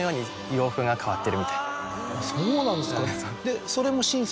そうなんですか。